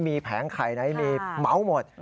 มีแผงไข่ไหนมีเมาส์หมด